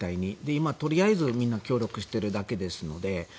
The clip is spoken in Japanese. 今、とりあえず協力しているだけなので。